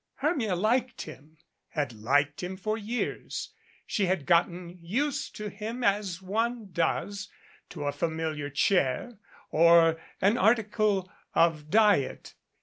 Hermia liked him had liked him for years. She had gotten used to him as one does to a familiar chair or an article of diet.